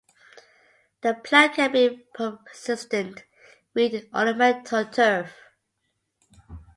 The plant can be a persistent weed in ornamental turf.